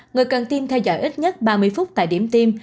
người cần tiêm theo dõi ít nhất ba mươi phút tại điểm tiêm